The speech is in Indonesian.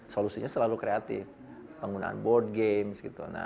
solusinya selalu kreatif penggunaan board games